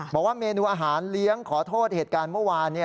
บอกว่าเมนูอาหารเลี้ยงขอโทษเหตุการณ์เมื่อวาน